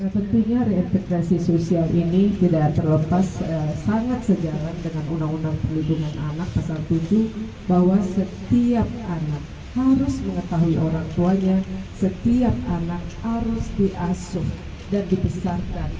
tentunya rehabilitasi sosial ini tidak terlepas sangat sejalan dengan undang undang perlindungan anak pasal tujuh bahwa setiap anak harus mengetahui orang tuanya setiap anak harus diasuh dan dibesarkan